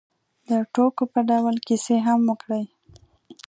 د ټوکو په ډول کیسې هم وکړې.